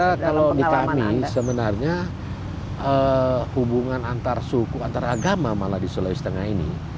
tapi saya kira kalau di kami sebenarnya hubungan antarsuku antar agama malah di sulawesi tengah ini